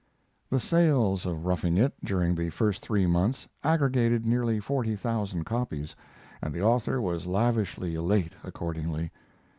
The sales of 'Roughing It' during the first three months aggregated nearly forty thousand copies, and the author was lavishly elate accordingly.